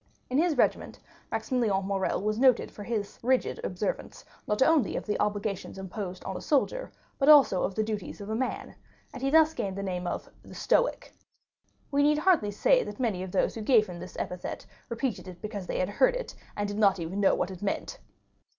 In his regiment Maximilian Morrel was noted for his rigid observance, not only of the obligations imposed on a soldier, but also of the duties of a man; and he thus gained the name of "the stoic." We need hardly say that many of those who gave him this epithet repeated it because they had heard it, and did not even know what it meant.